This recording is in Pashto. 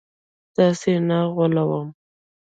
تاسي نه غولوم